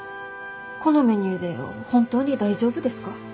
このメニューで本当に大丈夫ですか？